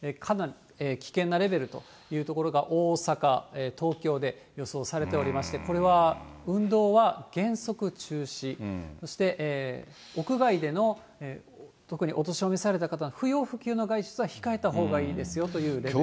危険なレベルという所が大阪、東京で予想されておりまして、これは運動は原則中止、そして屋外での、特にお年をめされた方の不要不急の外出は控えたほうがいいですよというレベルです。